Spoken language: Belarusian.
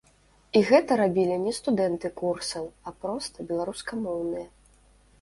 І гэта рабілі не студэнты курсаў, а проста беларускамоўныя.